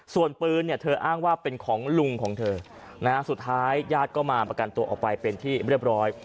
ส่วนปืนเนี่ยเธออ้างว่าเป็นของลุงของเธอนะฮะสุดท้ายญาติก็มาประกันตัวออกไปเป็นที่เรียบร้อย